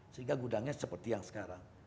sehingga gudangnya seperti yang sekarang